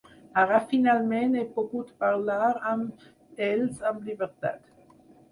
Ara, finalment he pogut parlar amb ells amb llibertat.